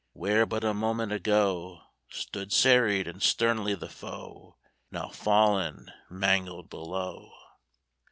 Where but a moment ago Stood serried and sternly the foe, Now fallen, mangled below.